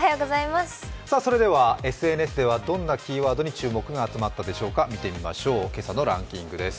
それではＳＮＳではどんなワードに注目が集まったでしょうか、今朝のランキングです。